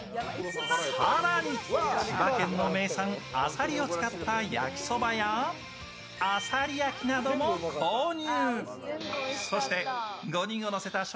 更に千葉県の名産あさりを使った焼きそばやあさり焼きなども購入。